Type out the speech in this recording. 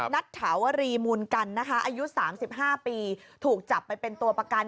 นัทถาวรีมูลกันนะคะอายุ๓๕ปีถูกจับไปเป็นตัวประกัน